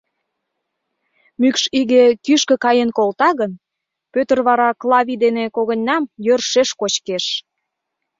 Мӱкш иге кӱшкӧ каен колта гын, Пӧтыр вара Клавий дене когыньнам йӧршеш кочкеш.